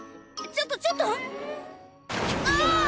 ちょっとちょっとあぁ！